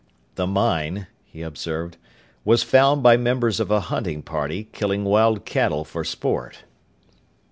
"The mine," he observed, "was found by members of a hunting party, killing wild cattle for sport."